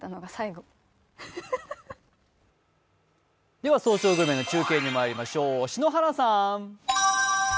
では「早朝グルメ」の中継にまいりましょう、篠原さん。